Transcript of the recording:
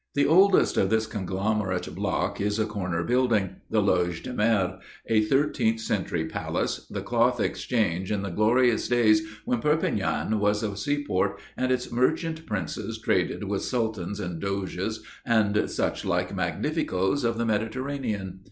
The oldest of this conglomerate block is a corner building, the Loge de Mer, a thirteenth century palace, the cloth exchange in the glorious days when Perpignan was a seaport and its merchant princes traded with Sultans and Doges and such like magnificoes of the Mediterranean.